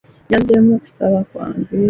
Yazzeemu okusaba kwange.